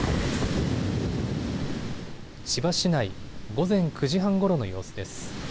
千葉市内、午前９時半ごろの様子です。